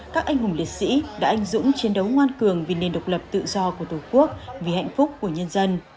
các anh hùng liệt sĩ đã anh dũng chiến đấu ngoan cường vì nền độc lập tự do của tổ quốc vì hạnh phúc của nhân dân